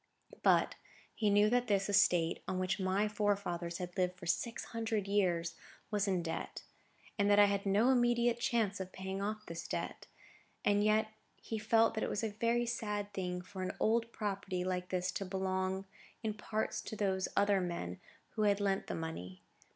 But he knew that this estate—on which my forefathers had lived for six hundred years—was in debt, and that I had no immediate chance of paying off this debt; and yet he felt that it was a very sad thing for an old property like this to belong in part to those other men, who had lent the money.